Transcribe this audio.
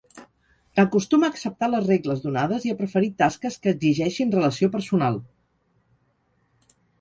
Acostuma a acceptar les regles donades i a preferir tasques que exigeixin relació personal.